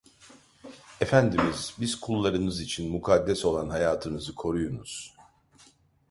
Efendimiz, biz kullarınız için mukaddes olan hayatınızı koruyunuz…